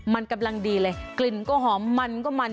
มันกำลังดีเลยกลิ่นก็หอมมันก็มัน